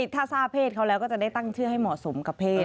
ถ้าทราบเพศเขาแล้วก็จะได้ตั้งชื่อให้เหมาะสมกับเพศ